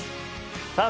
さあ